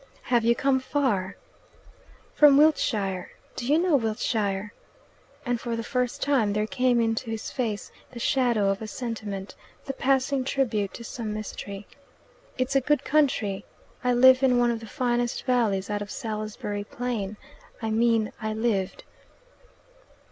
"Have you come far?" "From Wiltshire. Do you know Wiltshire?" And for the first time there came into his face the shadow of a sentiment, the passing tribute to some mystery. "It's a good country. I live in one of the finest valleys out of Salisbury Plain. I mean, I lived."